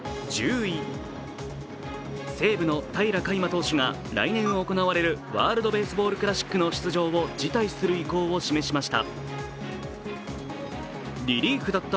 西武の平良海馬投手が来年行われるワールドベースボールクラシックの出場を辞退する意向を示しました。